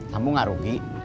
kamu gak rugi